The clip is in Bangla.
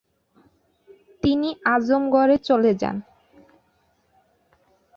তিনি আজমগড়ে চলে যান।